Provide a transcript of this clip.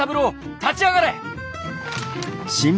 立ち上がれ！」。